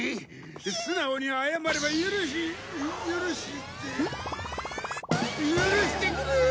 素直に謝れば許し許して許してくれ！